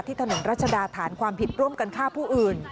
ถนนรัชดาฐานความผิดร่วมกันฆ่าผู้อื่น